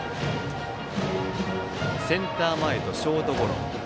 センター前とショートゴロ。